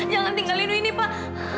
jangan tinggal lindungi ini pak